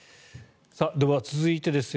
では続いてです。